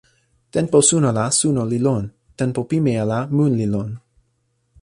tenpo suno la suno li lon. tenpo pimeja la mun li lon.